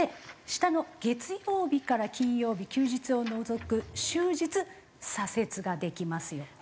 下の月曜日から金曜日休日を除く終日左折ができますよ。